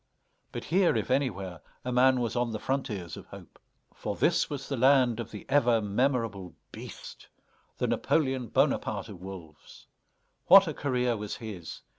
But here, if anywhere, a man was on the frontiers of hope. For this was the land of the ever memorable BEAST, the Napoléon Bonaparte of wolves. What a career was his!